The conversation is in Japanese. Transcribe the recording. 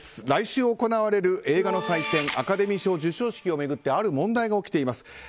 来週行われる映画の祭典アカデミー賞授賞式を巡ってある問題が起きています。